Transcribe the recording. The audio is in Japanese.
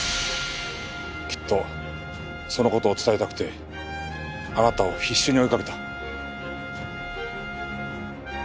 きっとその事を伝えたくてあなたを必死に追いかけた。